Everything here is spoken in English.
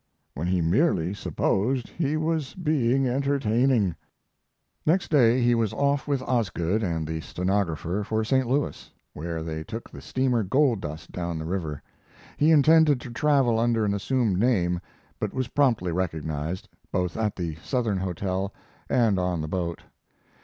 When he merely supposed he was being entertaining. Next day he was off with Osgood and the stenographer for St. Louis, where they took the steamer Gold Dust down the river. He intended to travel under an assumed name, but was promptly recognized, both at the Southern Hotel and on the boat.